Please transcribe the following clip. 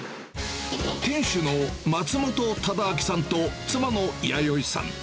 店主の松本忠昭さんと妻のやよいさん。